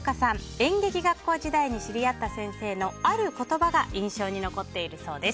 演劇学校時代に知り合った先生のある言葉が印象に残っているそうです。